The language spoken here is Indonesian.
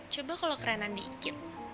coba kalau kerenan dikit